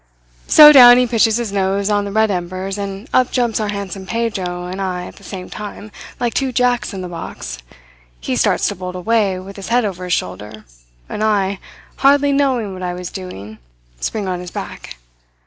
So down he pitches his nose on the red embers, and up jumps our handsome Pedro and I at the same time, like two Jacks in the box. He starts to bolt away, with his head over his shoulder, and I, hardly knowing what I was doing, spring on his back.